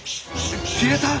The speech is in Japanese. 消えた？